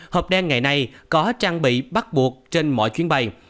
hộp đen ngày nay có trang bị bắt buộc trên mọi chuyến bay